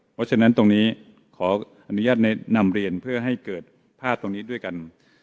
เพราะฉะนั้นตรงนี้ขออนุญาตแนะนำเรียนเพื่อให้เกิดภาพตรงนี้ด้วยกัน